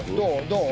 どう？